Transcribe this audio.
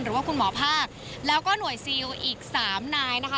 หรือว่าคุณหมอภาคแล้วก็หน่วยซิลอีกสามนายนะคะ